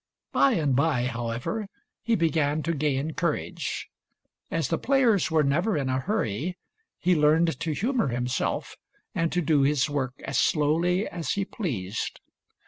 By and by, however, he began to gain courage. As the players were never in a hurry, he learned to humor himself and to do his work as slowly as he pleased.